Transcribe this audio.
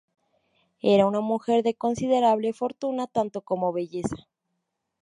Era una mujer de considerable fortuna tanto como belleza.